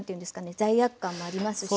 罪悪感もありますし。